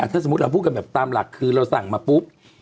ถ้าสมมุติเราพูดกันแบบตามหลักคือเราสั่งมาปุ๊บ